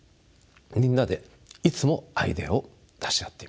みんなでいつもアイデアを出し合っています。